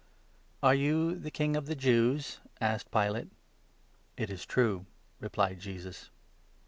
"Are you the King of the Jews ?" asked Pilate. 2 " It is true," replied Jesus.